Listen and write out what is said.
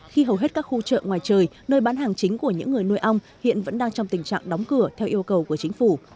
khi hầu hết các khu chợ ngoài trời nơi bán hàng chính của những người nuôi ong hiện vẫn đang trong tình trạng đóng cửa theo yêu cầu của chính phủ